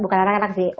bukan anak anak sih